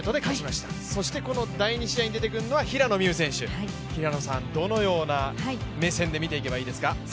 そしてこの第２試合に出てくるのは平野美宇選手、平野さんどのような目線で見ていけばいいですか？